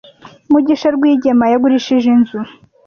Mugisha rwigema yagurishije inzu